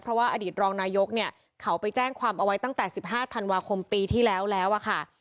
เพราะว่าอดีตรองนายกเนี่ยเขาไปแจ้งความเอาไว้ตั้งแต่๑๕ธันวาคมปีที่แล้วแล้วอะค่ะ